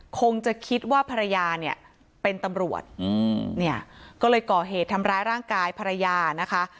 คงจะคิดว่าภรรยาเนี่ยเป็นตำรวจเนี่ยก็เลยก่อเหตุทำร้ายร่างกายภรรยานะคะ